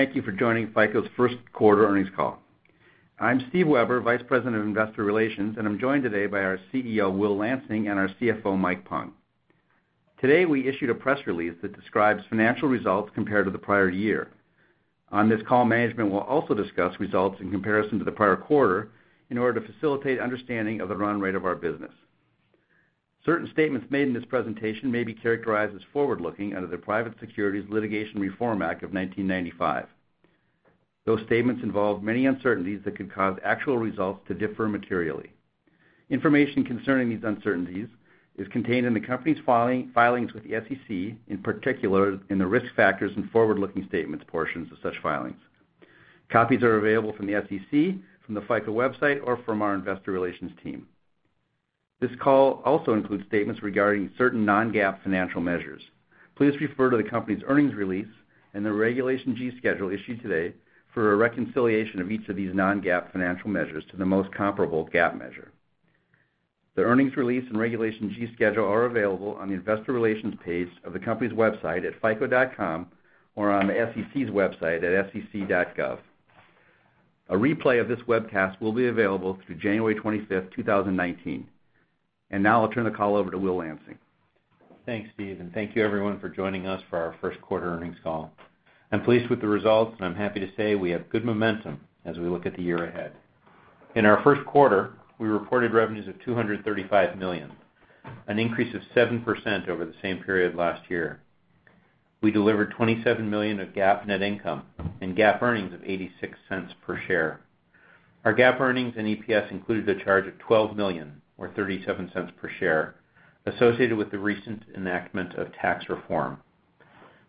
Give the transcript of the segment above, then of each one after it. Thank you for joining FICO's first quarter earnings call. I'm Steve Weber, Vice President of Investor Relations, and I'm joined today by our CEO, Will Lansing, and our CFO, Mike Pung. Today, we issued a press release that describes financial results compared to the prior year. On this call, management will also discuss results in comparison to the prior quarter in order to facilitate understanding of the run rate of our business. Certain statements made in this presentation may be characterized as forward-looking under the Private Securities Litigation Reform Act of 1995. Those statements involve many uncertainties that could cause actual results to differ materially. Information concerning these uncertainties is contained in the company's filings with the SEC, in particular in the risk factors and forward-looking statements portions of such filings. Copies are available from the SEC, from the FICO website, or from our investor relations team. This call also includes statements regarding certain non-GAAP financial measures. Please refer to the company's earnings release and the Regulation G schedule issued today for a reconciliation of each of these non-GAAP financial measures to the most comparable GAAP measure. The earnings release and Regulation G schedule are available on the investor relations page of the company's website at fico.com or on the SEC's website at sec.gov. A replay of this webcast will be available through January 25th, 2019. Now I'll turn the call over to Will Lansing. Thanks, Steve. Thank you everyone for joining us for our first quarter earnings call. I'm pleased with the results. I'm happy to say we have good momentum as we look at the year ahead. In our first quarter, we reported revenues of $235 million, an increase of 7% over the same period last year. We delivered $27 million of GAAP net income and GAAP earnings of $0.86 per share. Our GAAP earnings and EPS included a charge of $12 million, or $0.37 per share, associated with the recent enactment of Tax Reform.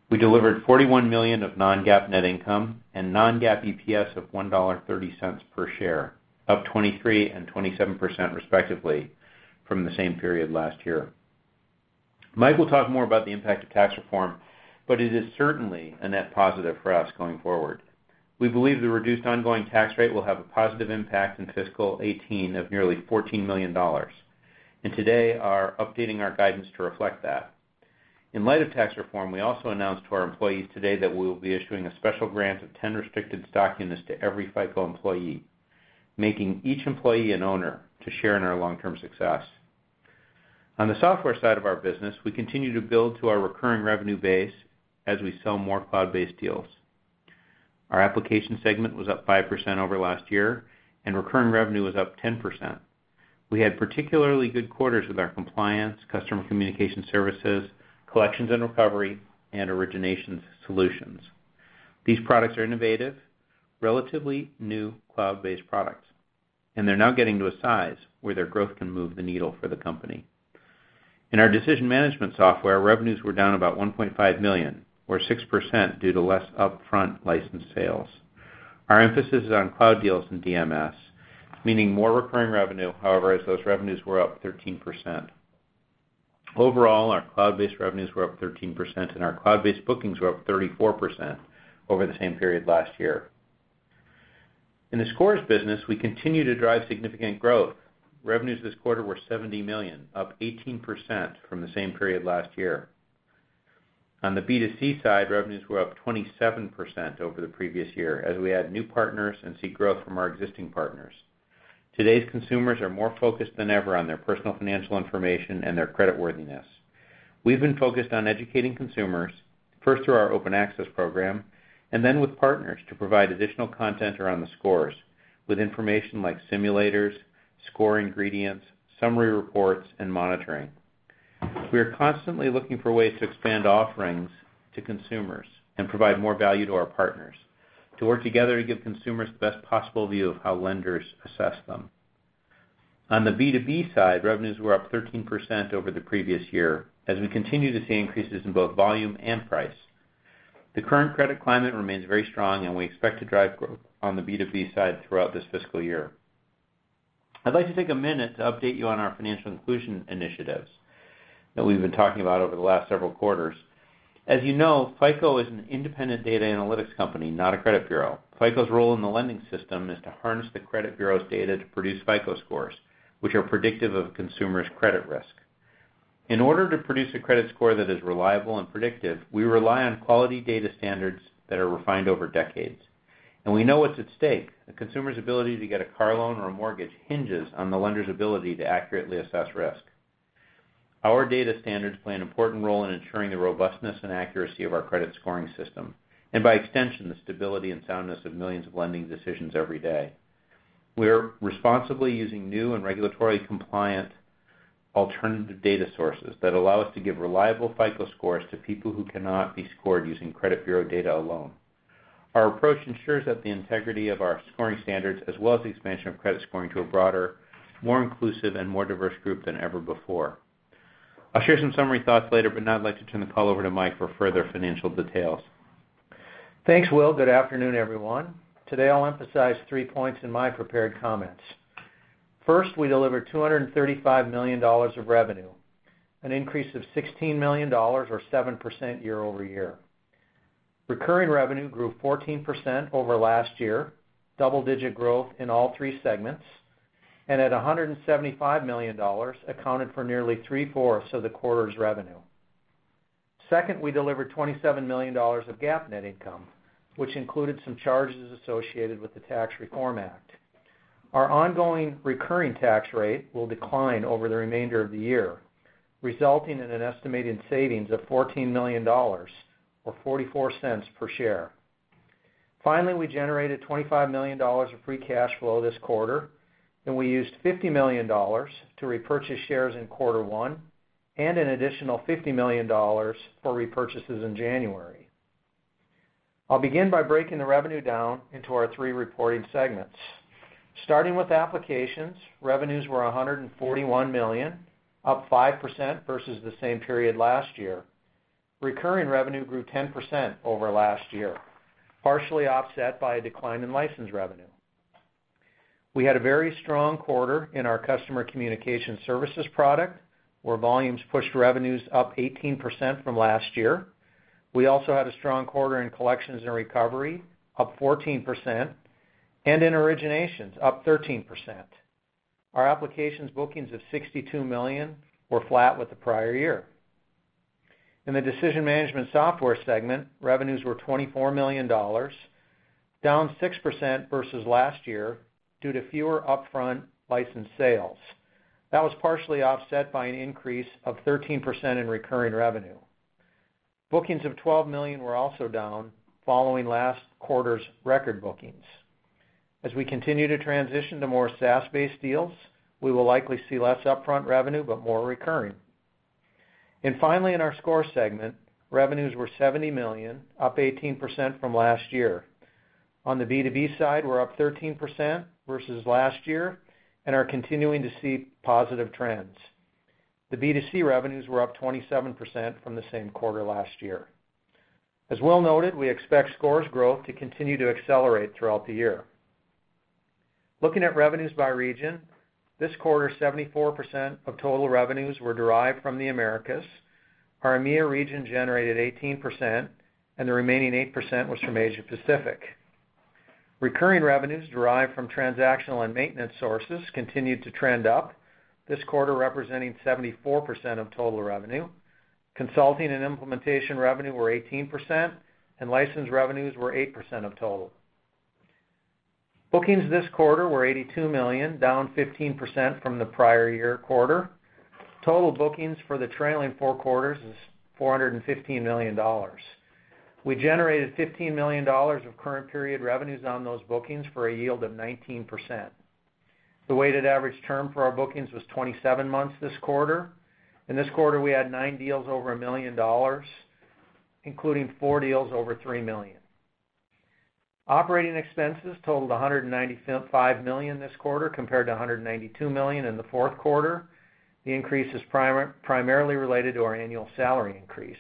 We delivered $41 million of non-GAAP net income and non-GAAP EPS of $1.30 per share, up 23% and 27% respectively from the same period last year. Mike will talk more about the impact of Tax Reform, it is certainly a net positive for us going forward. We believe the reduced ongoing tax rate will have a positive impact in fiscal 2018 of nearly $14 million. Today, are updating our guidance to reflect that. In light of Tax Reform, we also announced to our employees today that we will be issuing a special grant of 10 restricted stock units to every FICO employee, making each employee an owner to share in our long-term success. On the software side of our business, we continue to build to our recurring revenue base as we sell more cloud-based deals. Our application segment was up 5% over last year, recurring revenue was up 10%. We had particularly good quarters with our compliance, Customer Communication Services, Collections and Recovery, and origination solutions. These products are innovative, relatively new cloud-based products, they're now getting to a size where their growth can move the needle for the company. In our decision management software, revenues were down about $1.5 million, or 6%, due to less upfront license sales. Our emphasis is on cloud deals in DMS, meaning more recurring revenue, however, as those revenues were up 13%. Overall, our cloud-based revenues were up 13%, and our cloud-based bookings were up 34% over the same period last year. In the scores business, we continue to drive significant growth. Revenues this quarter were $70 million, up 18% from the same period last year. On the B2C side, revenues were up 27% over the previous year as we add new partners and see growth from our existing partners. Today's consumers are more focused than ever on their personal financial information and their creditworthiness. We've been focused on educating consumers, first through our FICO Score Open Access Program, then with partners to provide additional content around the FICO Scores with information like simulators, score ingredients, summary reports, and monitoring. We are constantly looking for ways to expand offerings to consumers and provide more value to our partners to work together to give consumers the best possible view of how lenders assess them. On the B2B side, revenues were up 13% over the previous year as we continue to see increases in both volume and price. The current credit climate remains very strong. We expect to drive growth on the B2B side throughout this fiscal year. I'd like to take a minute to update you on our financial inclusion initiatives that we've been talking about over the last several quarters. As you know, FICO is an independent data analytics company, not a credit bureau. FICO's role in the lending system is to harness the credit bureau's data to produce FICO Scores, which are predictive of a consumer's credit risk. In order to produce a credit score that is reliable and predictive, we rely on quality data standards that are refined over decades, and we know what's at stake. The consumer's ability to get a car loan or a mortgage hinges on the lender's ability to accurately assess risk. Our data standards play an important role in ensuring the robustness and accuracy of our credit scoring system, and by extension, the stability and soundness of millions of lending decisions every day. We are responsibly using new and regulatory compliant alternative data sources that allow us to give reliable FICO Scores to people who cannot be scored using credit bureau data alone. Our approach ensures that the integrity of our scoring standards, as well as the expansion of credit scoring to a broader, more inclusive, and more diverse group than ever before. I'll share some summary thoughts later. Now I'd like to turn the call over to Mike for further financial details. Thanks, Will. Good afternoon, everyone. Today, I'll emphasize three points in my prepared comments. First, we delivered $235 million of revenue, an increase of $16 million or 7% year-over-year. Recurring revenue grew 14% over last year, double-digit growth in all three segments. At $175 million, accounted for nearly three-fourths of the quarter's revenue. Second, we delivered $27 million of GAAP net income, which included some charges associated with the Tax Reform Act. Our ongoing recurring tax rate will decline over the remainder of the year, resulting in an estimated savings of $14 million, or $0.44 per share. Finally, we generated $25 million of free cash flow this quarter. We used $50 million to repurchase shares in quarter one, an additional $50 million for repurchases in January. I'll begin by breaking the revenue down into our three reporting segments. Starting with Applications, revenues were $141 million, up 5% versus the same period last year. Recurring revenue grew 10% over last year, partially offset by a decline in license revenue. We had a very strong quarter in our Customer Communication Services product, where volumes pushed revenues up 18% from last year. We also had a strong quarter in Collections and Recovery, up 14%, and in Originations, up 13%. Our Applications bookings of $62 million were flat with the prior year. In the Decision Management Software segment, revenues were $24 million, down 6% versus last year due to fewer upfront license sales. That was partially offset by an increase of 13% in recurring revenue. Bookings of $12 million were also down following last quarter's record bookings. As we continue to transition to more SaaS-based deals, we will likely see less upfront revenue but more recurring. Finally, in our Scores segment, revenues were $70 million, up 18% from last year. On the B2B side, we're up 13% versus last year and are continuing to see positive trends. The B2C revenues were up 27% from the same quarter last year. As Will noted, we expect Scores growth to continue to accelerate throughout the year. Looking at revenues by region, this quarter, 74% of total revenues were derived from the Americas. Our EMEA region generated 18%, and the remaining 8% was from Asia Pacific. Recurring revenues derived from transactional and maintenance sources continued to trend up, this quarter representing 74% of total revenue. Consulting and implementation revenue were 18%, and license revenues were 8% of total. Bookings this quarter were $82 million, down 15% from the prior year quarter. Total bookings for the trailing four quarters is $415 million. We generated $15 million of current period revenues on those bookings for a yield of 19%. The weighted average term for our bookings was 27 months this quarter. In this quarter, we had nine deals over $1 million, including four deals over $3 million. Operating expenses totaled $195 million this quarter compared to $192 million in the fourth quarter. The increase is primarily related to our annual salary increase.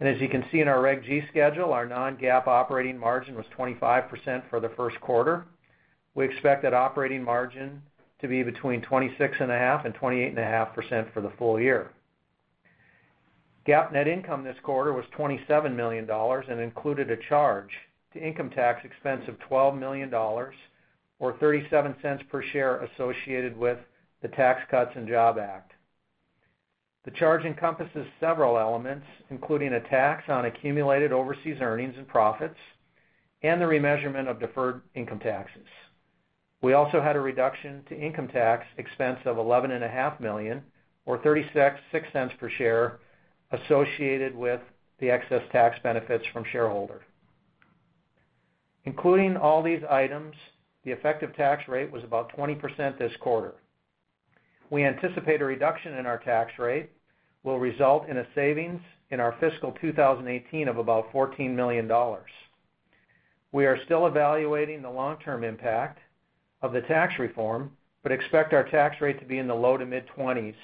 As you can see in our Reg G schedule, our non-GAAP operating margin was 25% for the first quarter. We expect that operating margin to be between 26.5% and 28.5% for the full year. GAAP net income this quarter was $27 million and included a charge to income tax expense of $12 million, or $0.37 per share associated with the Tax Cuts and Jobs Act. The charge encompasses several elements, including a tax on accumulated overseas earnings and profits and the remeasurement of deferred income taxes. We also had a reduction to income tax expense of $11.5 million, or $0.36 per share, associated with the excess tax benefits from shareholder. Including all these items, the effective tax rate was about 20% this quarter. We anticipate a reduction in our tax rate will result in a savings in our fiscal 2018 of about $14 million. We are still evaluating the long-term impact of the tax reform, but expect our tax rate to be in the low to mid-20s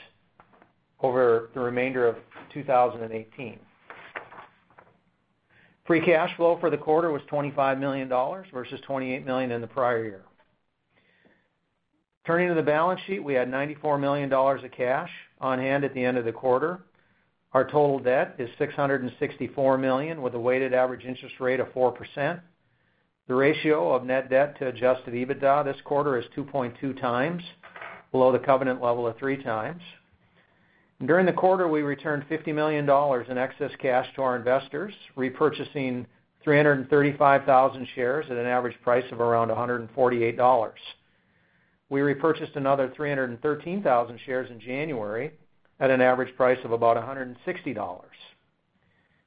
over the remainder of 2018. Free cash flow for the quarter was $25 million versus $28 million in the prior year. Turning to the balance sheet, we had $94 million of cash on hand at the end of the quarter. Our total debt is $664 million, with a weighted average interest rate of 4%. The ratio of net debt to adjusted EBITDA this quarter is 2.2 times, below the covenant level of 3 times. During the quarter, we returned $50 million in excess cash to our investors, repurchasing 335,000 shares at an average price of around $148. We repurchased another 313,000 shares in January at an average price of about $160.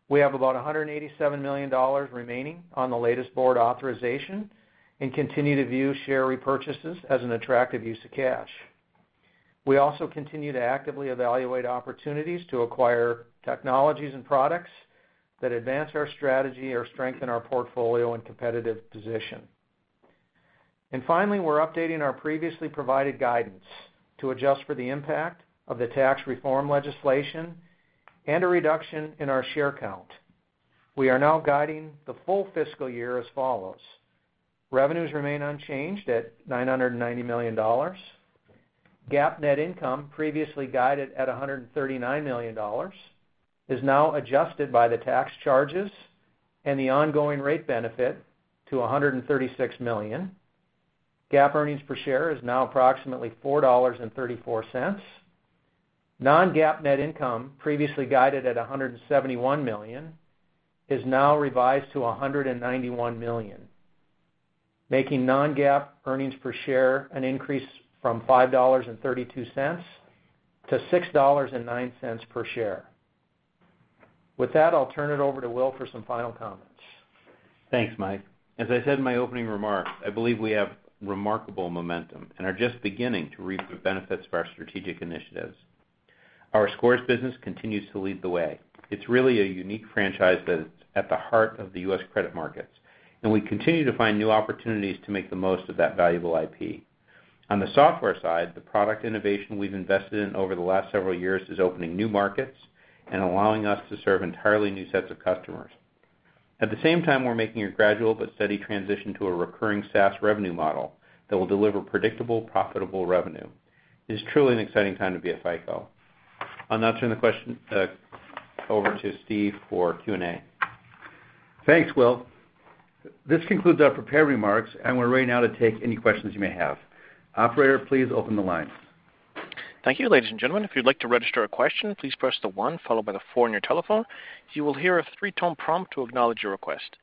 We have about $187 million remaining on the latest board authorization and continue to view share repurchases as an attractive use of cash. We also continue to actively evaluate opportunities to acquire technologies and products that advance our strategy or strengthen our portfolio and competitive position. Finally, we're updating our previously provided guidance to adjust for the impact of the tax reform legislation and a reduction in our share count. We are now guiding the full fiscal year as follows. Revenues remain unchanged at $990 million. GAAP net income previously guided at $139 million, is now adjusted by the tax charges and the ongoing rate benefit to $136 million. GAAP earnings per share is now approximately $4.34. Non-GAAP net income previously guided at $171 million, is now revised to $191 million, making non-GAAP earnings per share an increase from $5.32 to $6.09 per share. With that, I'll turn it over to Will for some final comments. Thanks, Mike. As I said in my opening remarks, I believe we have remarkable momentum and are just beginning to reap the benefits of our strategic initiatives. Our scores business continues to lead the way. It's really a unique franchise that is at the heart of the U.S. credit markets, and we continue to find new opportunities to make the most of that valuable IP. On the software side, the product innovation we've invested in over the last several years is opening new markets and allowing us to serve entirely new sets of customers. At the same time, we're making a gradual but steady transition to a recurring SaaS revenue model that will deliver predictable, profitable revenue. It is truly an exciting time to be at FICO. I'll now turn the question over to Steve for Q&A. Thanks, Will. This concludes our prepared remarks, we're ready now to take any questions you may have. Operator, please open the lines. Thank you, ladies and gentlemen. If you'd like to register a question, please press the one followed by the four on your telephone. You will hear a three-tone prompt to acknowledge your request.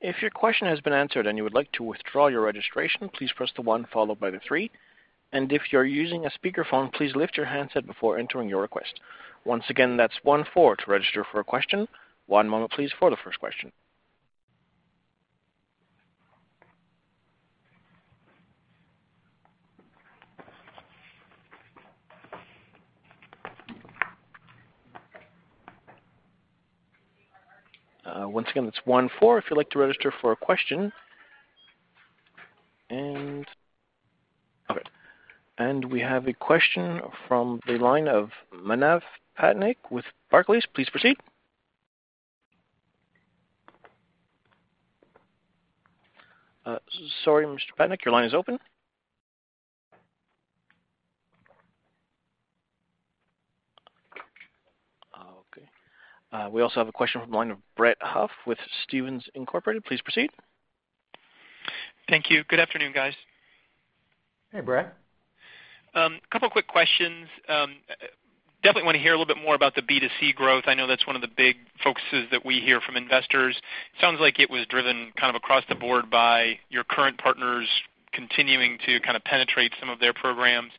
If your question has been answered and you would like to withdraw your registration, please press the one followed by the three. If you're using a speakerphone, please lift your handset before entering your request. Once again, that's one-four to register for a question. One moment, please, for the first question. Once again, that's one-four if you'd like to register for a question. We have a question from the line of Manav Patnaik with Barclays. Please proceed. Sorry, Mr. Patnaik, your line is open. Okay. We also have a question from the line of Brett Huff with Stephens Inc.. Please proceed. Thank you. Good afternoon, guys. Hey, Brett. A couple of quick questions. Definitely want to hear a little bit more about the B2C growth. I know that's one of the big focuses that we hear from investors. Sounds like it was driven kind of across the board by your current partners continuing to kind of penetrate some of their programs,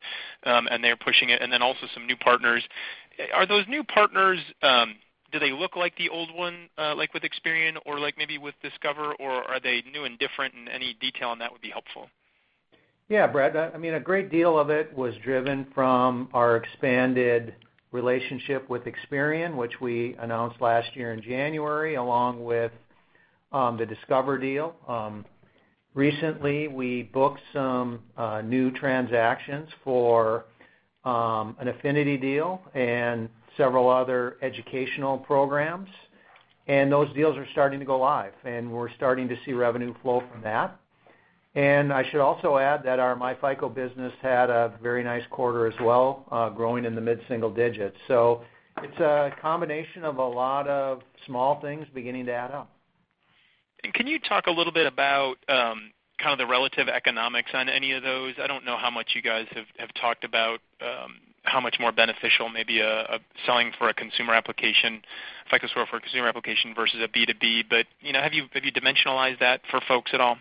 and they're pushing it, then also some new partners. Are those new partners, do they look like the old one, like with Experian or like maybe with Discover, or are they new and different? Any detail on that would be helpful. Yeah, Brett, a great deal of it was driven from our expanded relationship with Experian, which we announced last year in January, along with the Discover deal. Recently, we booked some new transactions for an affinity deal and several other educational programs, those deals are starting to go live, we're starting to see revenue flow from that. I should also add that our myFICO business had a very nice quarter as well, growing in the mid-single digits. It's a combination of a lot of small things beginning to add up. Can you talk a little bit about kind of the relative economics on any of those? I don't know how much you guys have talked about how much more beneficial maybe selling a FICO Score for a consumer application versus a B2B, but have you dimensionalized that for folks at all?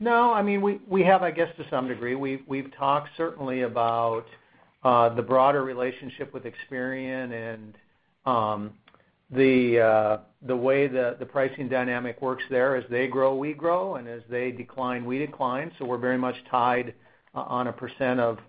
No, we have, I guess, to some degree. We've talked certainly about the broader relationship with Experian and the way the pricing dynamic works there. As they grow, we grow, and as they decline, we decline. We're very much tied on a %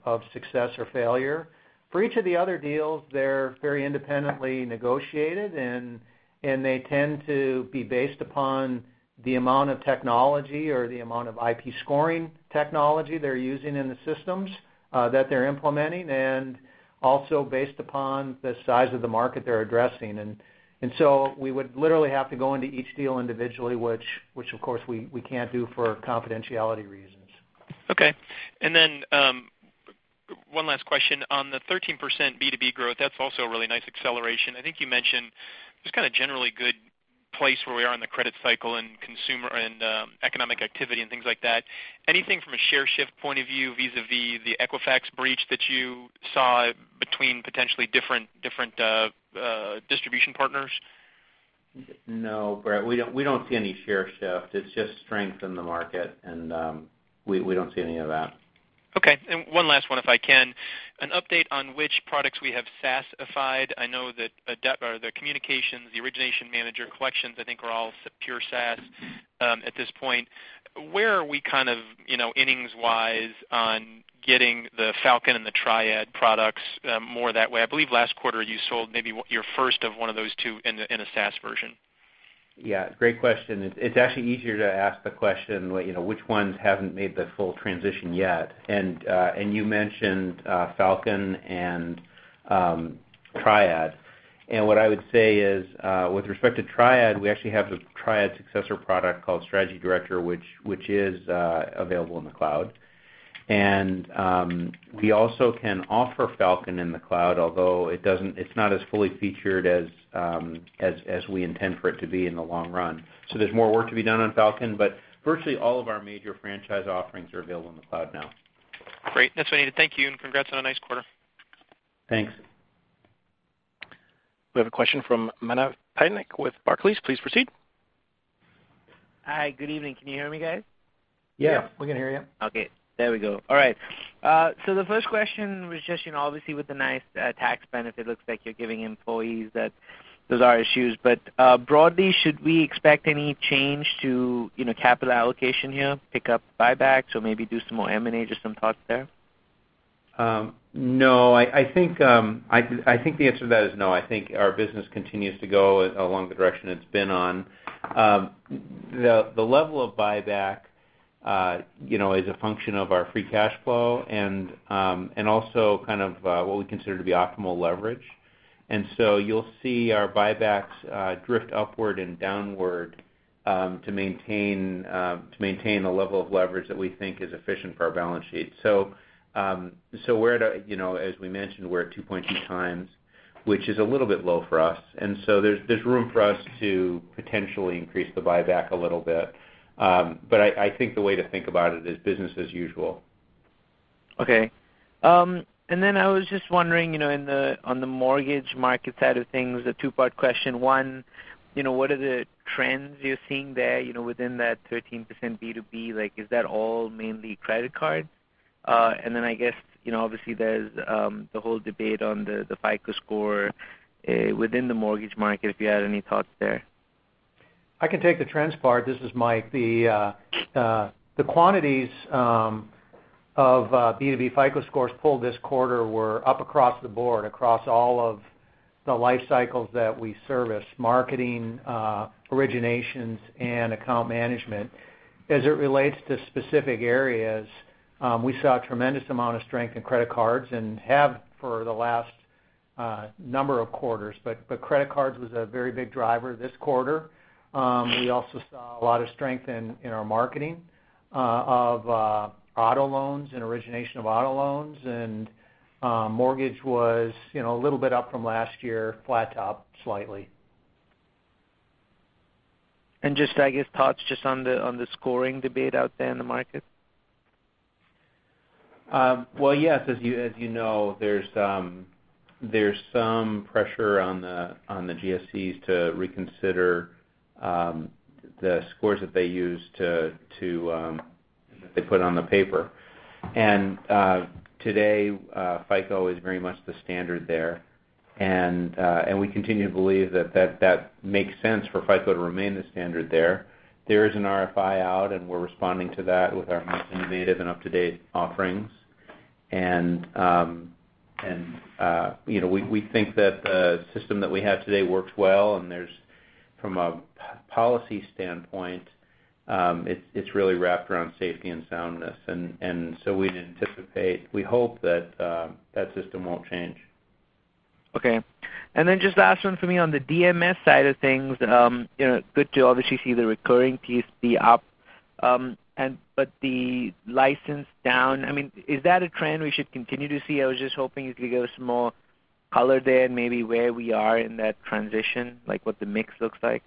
of success or failure. For each of the other deals, they're very independently negotiated, and they tend to be based upon the amount of technology or the amount of IP scoring technology they're using in the systems that they're implementing, and also based upon the size of the market they're addressing. We would literally have to go into each deal individually, which of course, we can't do for confidentiality reasons. Okay. Then 1 last question. On the 13% B2B growth, that's also a really nice acceleration. I think you mentioned just kind of generally good place where we are in the credit cycle and consumer and economic activity and things like that. Anything from a share shift point of view vis-a-vis the Equifax breach that you saw between potentially different distribution partners? No, Brett, we don't see any share shift. It's just strength in the market, and we don't see any of that. Okay. 1 last one, if I can. An update on which products we have SaaS-ified. I know that the communications, the Origination Manager collections, I think are all pure SaaS at this point. Where are we kind of innings-wise on getting the Falcon and the TRIAD products more that way? I believe last quarter you sold maybe your first of 1 of those two in a SaaS version. Yeah, great question. It's actually easier to ask the question, which ones haven't made the full transition yet? You mentioned Falcon and TRIAD. What I would say is, with respect to TRIAD, we actually have the TRIAD successor product called Strategy Director, which is available in the cloud. We also can offer Falcon in the cloud, although it's not as fully featured as we intend for it to be in the long run. There's more work to be done on Falcon, but virtually all of our major franchise offerings are available in the cloud now. Great. That's what I needed. Thank you. Congrats on a nice quarter. Thanks. We have a question from Manav Patnaik with Barclays. Please proceed. Hi. Good evening. Can you hear me, guys? Yeah. Yeah. We can hear you. Okay. There we go. All right. The first question was just obviously with the nice tax benefit looks like you're giving employees that those RSUs. Broadly, should we expect any change to capital allocation here? Pick up buybacks or maybe do some more M&A? Just some thoughts there. No, I think the answer to that is no. I think our business continues to go along the direction it's been on. The level of buyback is a function of our free cash flow and also what we consider to be optimal leverage. You'll see our buybacks drift upward and downward to maintain a level of leverage that we think is efficient for our balance sheet. As we mentioned, we're at 2.2x, which is a little bit low for us. There's room for us to potentially increase the buyback a little bit. I think the way to think about it is business as usual. Okay. I was just wondering on the mortgage market side of things, a two-part question. One, what are the trends you're seeing there within that 13% B2B? Like, is that all mainly credit card? I guess, obviously there's the whole debate on the FICO Score within the mortgage market, if you had any thoughts there. I can take the trends part. This is Mike. The quantities of B2B FICO scores pulled this quarter were up across the board, across all of the life cycles that we service, marketing, originations, and account management. As it relates to specific areas, we saw a tremendous amount of strength in credit cards and have for the last number of quarters. Credit cards was a very big driver this quarter. We also saw a lot of strength in our marketing of auto loans and origination of auto loans, and mortgage was a little bit up from last year, flat to slightly. Just, I guess, thoughts just on the scoring debate out there in the market. Well, yes, as you know, there's some pressure on the GSEs to reconsider the scores that they use to put on the paper. Today FICO is very much the standard there. We continue to believe that that makes sense for FICO to remain the standard there. There is an RFI out, and we're responding to that with our most innovative and up-to-date offerings. We think that the system that we have today works well, and from a policy standpoint, it's really wrapped around safety and soundness. We'd anticipate, we hope that that system won't change. Okay. Just last one for me on the DMS side of things. Good to obviously see the recurring piece be up. The license down, is that a trend we should continue to see? I was just hoping you could give us more color there and maybe where we are in that transition, like what the mix looks like.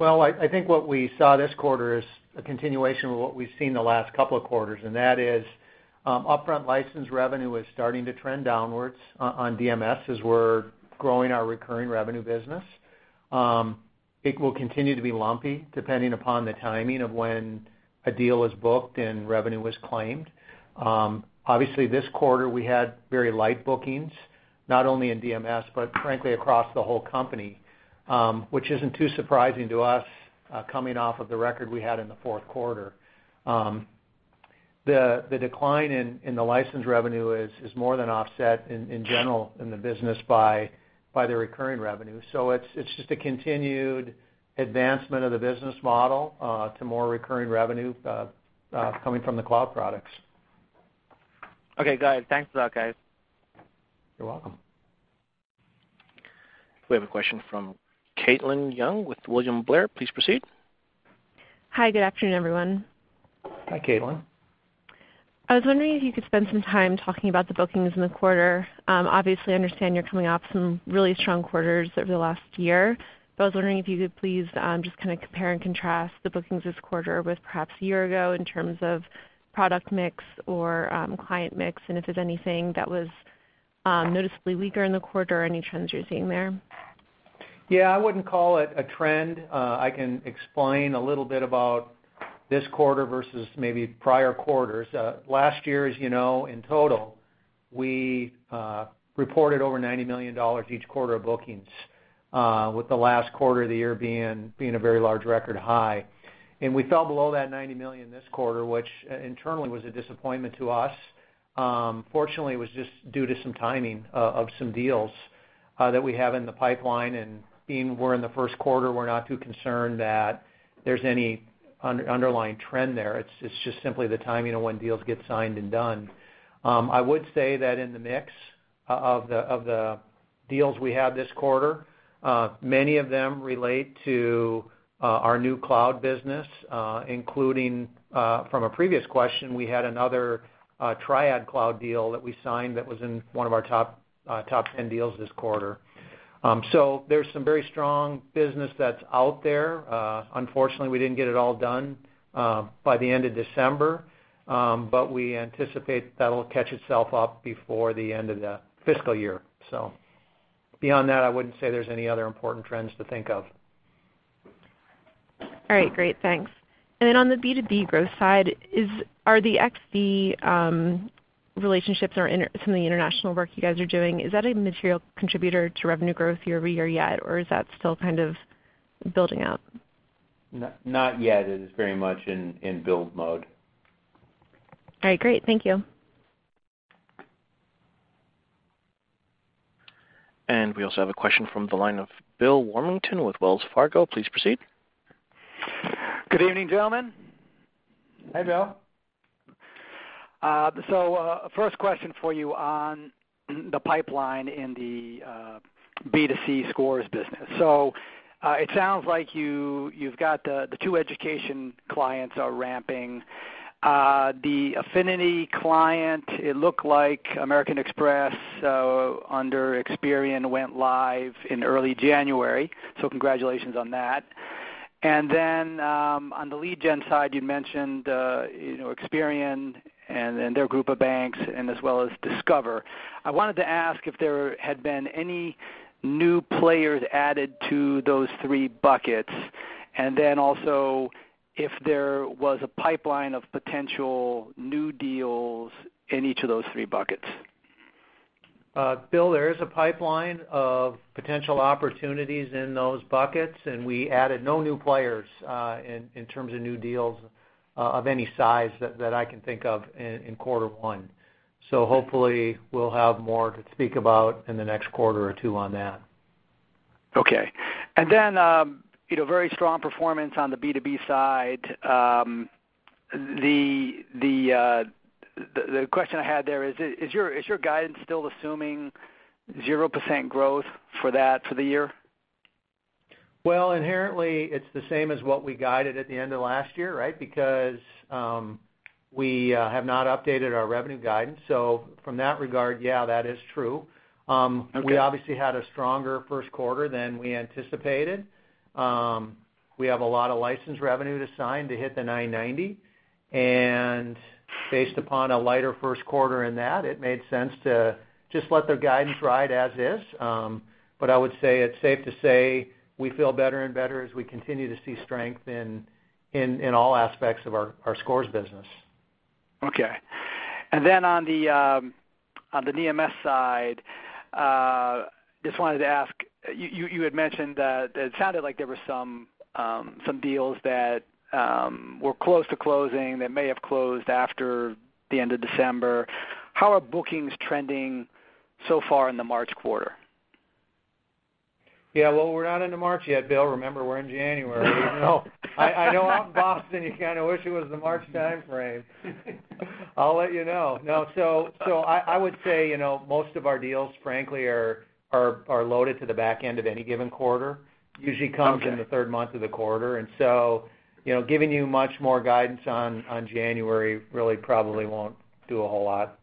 I think what we saw this quarter is a continuation of what we've seen the last couple of quarters. That is upfront license revenue is starting to trend downwards on DMS as we're growing our recurring revenue business. It will continue to be lumpy, depending upon the timing of when a deal is booked and revenue is claimed. Obviously, this quarter we had very light bookings, not only in DMS, but frankly across the whole company, which isn't too surprising to us coming off of the record we had in the fourth quarter. The decline in the license revenue is more than offset in general in the business by the recurring revenue. It's just a continued advancement of the business model to more recurring revenue coming from the cloud products. Got it. Thanks for that, guys. You're welcome. We have a question from Caitlin Young with William Blair. Please proceed. Hi, good afternoon, everyone. Hi, Caitlin. I was wondering if you could spend some time talking about the bookings in the quarter. Obviously, I understand you're coming off some really strong quarters over the last year. I was wondering if you could please just compare and contrast the bookings this quarter with perhaps a year ago in terms of product mix or client mix. If there's anything that was noticeably weaker in the quarter or any trends you're seeing there. Yeah, I wouldn't call it a trend. I can explain a little bit about this quarter versus maybe prior quarters. Last year, as you know, in total, we reported over $90 million each quarter of bookings with the last quarter of the year being a very large record high. We fell below that $90 million this quarter, which internally was a disappointment to us. Fortunately, it was just due to some timing of some deals that we have in the pipeline, and being we're in the first quarter, we're not too concerned that there's any underlying trend there. It's just simply the timing of when deals get signed and done. I would say that in the mix of the deals we have this quarter, many of them relate to our new cloud business, including from a previous question, we had another TRIAD cloud deal that we signed that was in one of our top 10 deals this quarter. There's some very strong business that's out there. Unfortunately, we didn't get it all done by the end of December, but we anticipate that'll catch itself up before the end of the fiscal year. Beyond that, I wouldn't say there's any other important trends to think of. All right. Great. Thanks. On the B2B growth side, are the XD relationships or some of the international work you guys are doing, is that a material contributor to revenue growth year-over-year yet? Is that still kind of building out? Not yet. It is very much in build mode. All right. Great. Thank you. We also have a question from the line of Bill Warmington with Wells Fargo. Please proceed. Good evening, gentlemen. Hi, Bill. First question for you on the pipeline in the B2C Scores business. It sounds like you've got the two education clients are ramping. The affinity client, it looked like American Express under Experian went live in early January, so congratulations on that. On the lead gen side, you mentioned Experian and their group of banks and as well as Discover. I wanted to ask if there had been any new players added to those three buckets, and then also if there was a pipeline of potential new deals in each of those three buckets. Bill, there is a pipeline of potential opportunities in those buckets, and we added no new players in terms of new deals of any size that I can think of in quarter one. Hopefully we'll have more to speak about in the next quarter or two on that. Okay. Very strong performance on the B2B side. The question I had there is your guidance still assuming 0% growth for that for the year? Well, inherently, it's the same as what we guided at the end of last year, right? We have not updated our revenue guidance. From that regard, yeah, that is true. Okay. We obviously had a stronger first quarter than we anticipated. We have a lot of license revenue to sign to hit the $990, and based upon a lighter first quarter in that, it made sense to just let the guidance ride as is. I would say it's safe to say we feel better and better as we continue to see strength in all aspects of our Scores business. Okay. On the DMS side, just wanted to ask, you had mentioned that it sounded like there were some deals that were close to closing that may have closed after the end of December. How are bookings trending so far in the March quarter? Yeah. Well, we're not into March yet, Bill. Remember, we're in January. I know out in Boston, you kind of wish it was the March timeframe. I'll let you know. No. I would say, most of our deals, frankly, are loaded to the back end of any given quarter. Okay They come in the third month of the quarter. Giving you much more guidance on January really probably won't do a whole lot.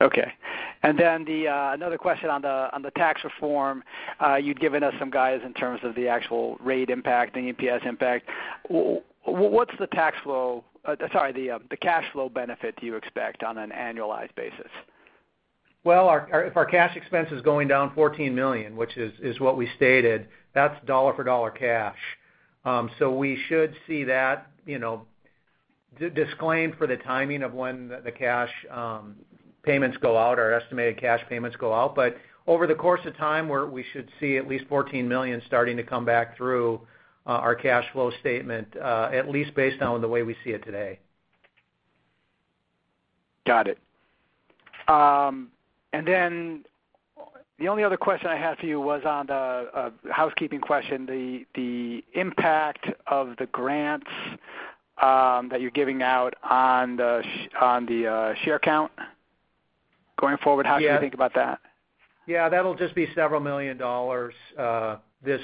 Okay. Another question on the tax reform. You'd given us some guidance in terms of the actual rate impact and EPS impact. What's the cash flow benefit do you expect on an annualized basis? If our cash expense is going down $14 million, which is what we stated, that's dollar for dollar cash. We should see that disclaimed for the timing of when the cash payments go out or estimated cash payments go out. Over the course of time, we should see at least $14 million starting to come back through our cash flow statement, at least based on the way we see it today. Got it. The only other question I had for you was on the housekeeping question, the impact of the grants that you're giving out on the share count going forward. Yeah. How do you think about that? That'll just be several million dollars this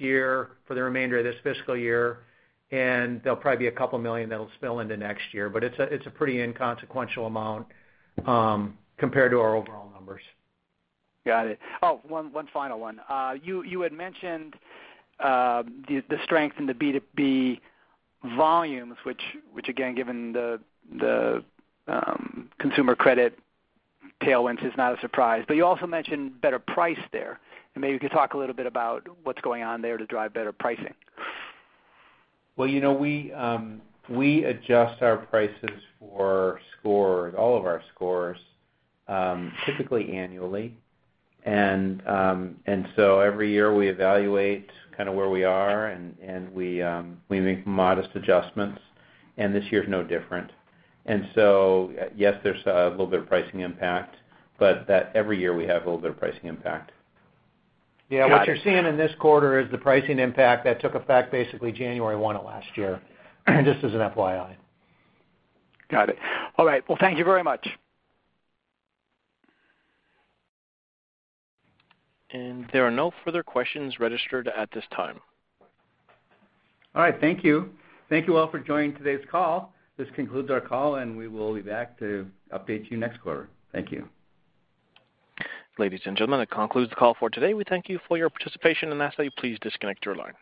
year for the remainder of this fiscal year, and there'll probably be a couple million that'll spill into next year. It's a pretty inconsequential amount compared to our overall numbers. Got it. One final one. You had mentioned the strength in the B2B volumes, which again, given the consumer credit tailwinds is not a surprise, but you also mentioned better price there. Maybe you could talk a little bit about what's going on there to drive better pricing. Well, we adjust our prices for scores, all of our scores, typically annually. Every year we evaluate kind of where we are and we make modest adjustments, and this year's no different. Yes, there's a little bit of pricing impact, but every year we have a little bit of pricing impact. Yeah. Got it. What you're seeing in this quarter is the pricing impact that took effect basically January 1 of last year, just as an FYI. Got it. All right. Well, thank you very much. There are no further questions registered at this time. All right. Thank you. Thank you all for joining today's call. This concludes our call, and we will be back to update you next quarter. Thank you. Ladies and gentlemen, that concludes the call for today. We thank you for your participation, and lastly, please disconnect your line.